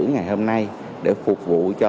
ngày hôm nay để phục vụ cho